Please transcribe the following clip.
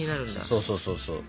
そうそうそうそう。